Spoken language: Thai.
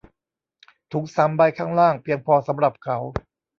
ถุงสามใบข้างล่างเพียงพอสำหรับเขา